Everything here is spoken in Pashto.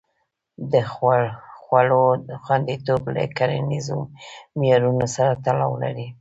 د خوړو خوندیتوب له کرنیزو معیارونو سره تړاو لري.